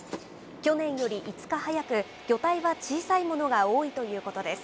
去年より５日早く、魚体は小さいものが多いということです。